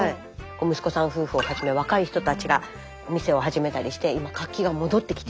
息子さん夫婦をはじめ若い人たちがお店を始めたりして今活気が戻ってきて。